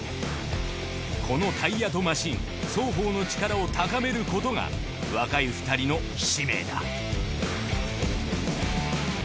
このタイヤとマシン双方の力を高めることが若い２人の使命だ